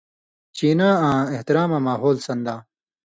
چِیناں آں احتراماں ماحول سن٘داں